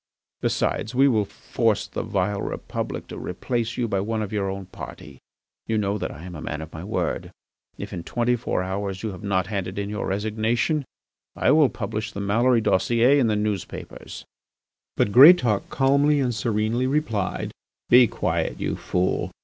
Besides, we will force the vile Republic to replace you by one of our own party. You know that I am a man of my word. If in twenty four hours you have not handed in your resignation I will publish the Maloury dossier in the newspapers." But Greatauk calmly and serenely replied: "Be quiet, you fool.